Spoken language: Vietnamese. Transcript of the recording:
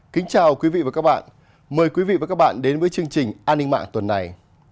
kính chào quý vị và các bạn mời quý vị và các bạn đến với chương trình an ninh mạng tuần này